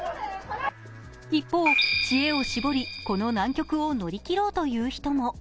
一方、知恵を絞り、この難曲を乗り切ろうとする人も。